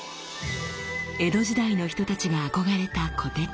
江戸時代の人たちが憧れた虎徹。